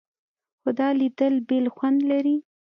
خو دا لیدل بېل خوند لري.